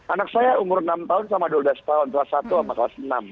anak saya umur enam tahun sama dua belas tahun kelas satu sama kelas enam